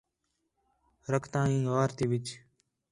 رکھدا ہیں غار تی وِچ